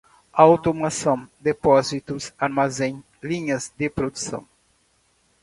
automação, depósitos, armazéns, linhas de produção